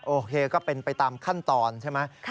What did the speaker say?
โอเคก็เป็นไปตามขั้นตอนใช่ไหม